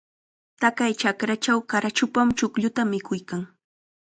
Taqay chakrachaw qarachupam chuqlluta mikuykan.